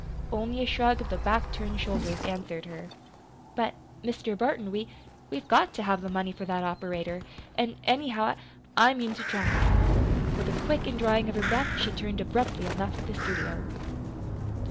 Only a shrug of the back turned shoulders answered her. "But, Mr. Burton, we we've got to have the money for that operator; an', anyhow, I I mean to try." With a quick indrawing of her breath she turned abruptly and left the studio.